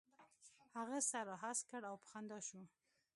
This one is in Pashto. هغه سر را هسک کړ او په خندا شو.